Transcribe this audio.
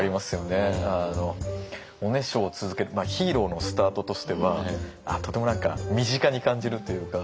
おねしょを続けるヒーローのスタートとしてはとても身近に感じるというか。